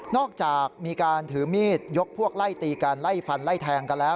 จากมีการถือมีดยกพวกไล่ตีกันไล่ฟันไล่แทงกันแล้ว